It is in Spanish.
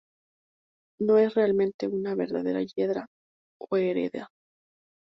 No es realmente una verdadera hiedra o "Hedera".